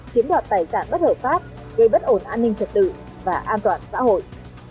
chiếm đoạt tài sản bất hợp pháp gây bất ổn an ninh trật tự và an toàn xã hội